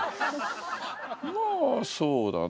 まあそうだな。